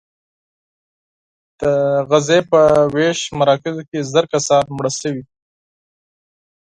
د غزې په ویش مراکزو کې زر کسان مړه شوي.